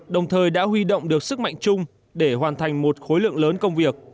đồng thời đã huy động được sức mạnh chung để hoàn thành một khối lượng lớn công việc